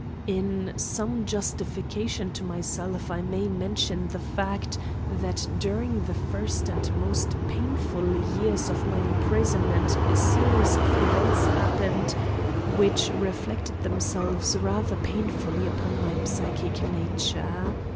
In some justification to myself I may mention the fact that during the first and most painful years of my imprisonment a series of events happened which reflected themselves rather painfully upon my psychic nature.